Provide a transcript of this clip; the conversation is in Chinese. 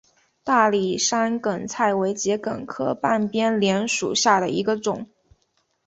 大理山梗菜为桔梗科半边莲属下的一个种。